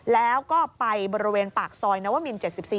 แล้วก็ไปบริเวณปากซอยนวมิน๗๔